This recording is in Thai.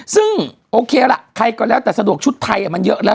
ซึ่งโอเคล่ะใครก็แล้วแต่สะดวกชุดไทยมันเยอะแล้ว